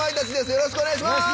よろしくお願いします。